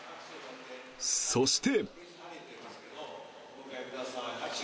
そして。